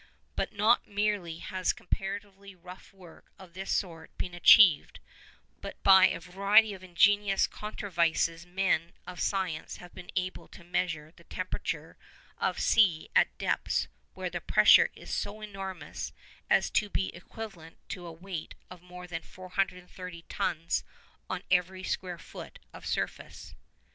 But not merely has comparatively rough work of this sort been achieved, but by a variety of ingenious contrivances men of science have been able to measure the temperature of the sea at depths where the pressure is so enormous as to be equivalent to a weight of more than 430 tons on every square foot of surface.